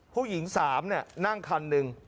ผู้หญิง๓นั่งคันหนึ่ง